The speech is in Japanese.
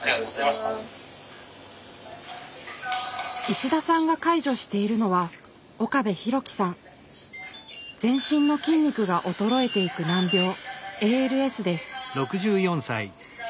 石田さんが介助しているのは全身の筋肉が衰えていく難病ＡＬＳです。